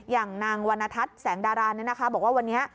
อย่างนางวรรณทัศน์แสงดาราบอกว่าวันนี้